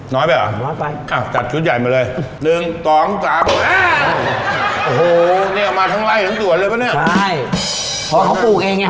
น้อยไปเหรออ่ะจัดชุดใหญ่ไปเลยน้อยไป